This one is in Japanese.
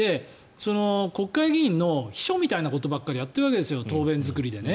国会議員の秘書みたいなことばっかりやってるわけですよ答弁作りでね。